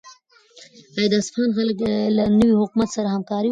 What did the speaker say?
آیا د اصفهان خلک به له نوي حکومت سره همکاري وکړي؟